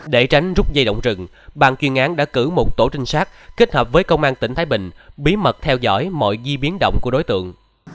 để tránh rút dây động trừng ban chuyên ngán đã cử một tổ trinh sát kết hợp với công an tỉnh thái bình bí mật theo dõi mọi di biến động của đối tượng